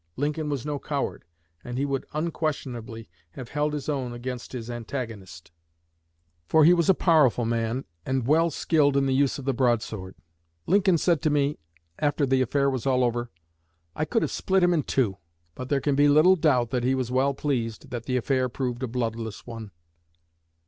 Lincoln was no coward, and he would unquestionably have held his own against his antagonist, for he was a powerful man and well skilled in the use of the broadsword. Lincoln said to me, after the affair was all over, 'I could have split him in two.'" But there can be little doubt that he was well pleased that the affair proved a bloodless one.